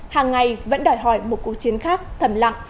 hàng ngày vẫn đòi hỏi một cuộc chiến khác thầm lặng